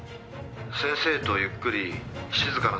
「先生とゆっくり静かな所で」